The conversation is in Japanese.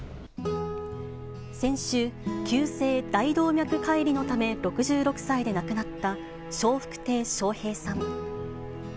先週、急性大動脈解離のため６６歳で亡くなった笑福亭笑瓶さん。